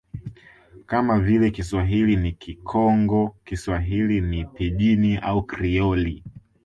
kama vile Kiswahili ni Kikongo Kiswahili ni Pijini au Krioli